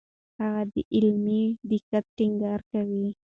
هغه د علمي دقت ټینګار کوي.